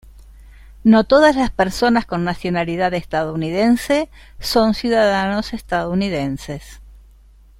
No todas las personas con nacionalidad estadounidense son ciudadanos estadounidenses.